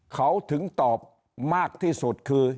เขาถึงตอบมากที่สุดคือ